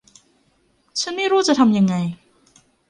ฉันไม่รู้จะทำยังไง